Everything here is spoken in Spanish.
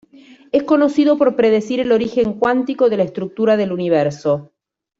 Es conocido por predecir el origen cuántico de la estructura del Universo.